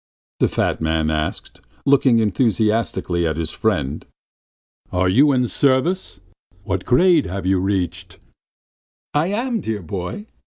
the fat man asked, looking enthusiastically at his friend. "Are you in the service? What grade have you reached?" "I am, dear boy!